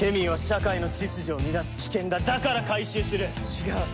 違う。